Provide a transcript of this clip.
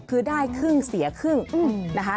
คือได้ครึ่งเสียครึ่งนะคะ